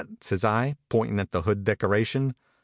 says I, pointin at the hood decoration.